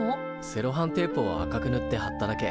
セロハンテープを赤くぬってはっただけ。